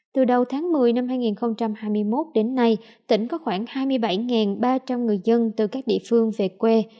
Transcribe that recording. từ đầu tháng một mươi năm hai nghìn hai mươi một đến nay tỉnh có khoảng hai mươi bảy ba trăm linh người dân từ các địa phương về quê